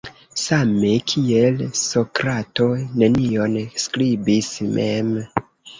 Same kiel Sokrato nenion skribis mem.